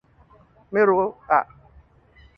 ไม่รู้อะ